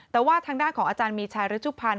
แต่ว่าทางด้านของอาจารย์มีชัยฤชุพันธ์